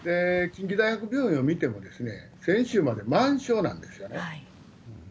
近畿大学病院を見ても、先週まで満床なんですよね。